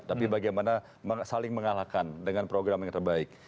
tapi bagaimana saling mengalahkan dengan program yang terbaik